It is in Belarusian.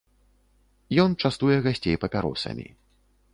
Ён частуе гасцей папяросамі.